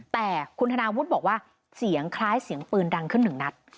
แต่คุณธนาวุฒิบอกว่าเสียงคล้ายเสียงปืนดังขึ้นหนึ่งนัด